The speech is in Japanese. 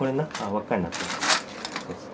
輪っかになってるやつ。